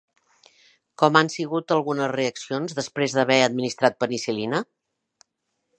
Com han sigut algunes reaccions després d'haver administrat penicil·lina?